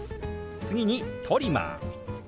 次に「トリマー」。